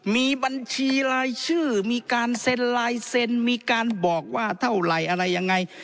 มีบัญชีรายชื่อมีการเซ็นลายเซ็นมีการบอกว่าเท่าไหร่อะไรยังไง